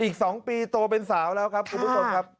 อีก๒ปีโตเป็นสาวแล้วครับคุณผู้ชมครับ